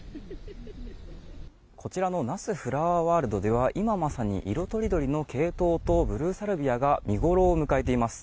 こちらの那須フラワーワールドでは今、まさに色とりどりのケイトウとブルーサルビアが見ごろを迎えています。